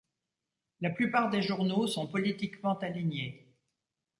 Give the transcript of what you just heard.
La plupart des journaux sont politiquement alignés.